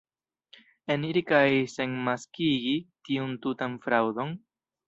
Eniri kaj senmaskigi tiun tutan fraŭdon?